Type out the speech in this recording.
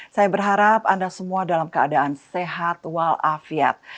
saya berharap anda semua dalam keadaan sehat walafiat